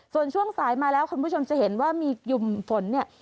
ส่วนช่วงสายมาแล้วคุณผู้ชมจะเห็นว่ามีกลุ่มฝนเนี่ย